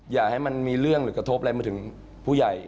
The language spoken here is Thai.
อย่าให้มันมีเรื่องหรือกระทบอะไรมาถึงผู้ใหญ่